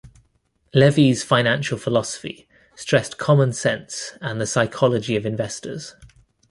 Levy's financial philosophy stressed common sense and the psychology of investors.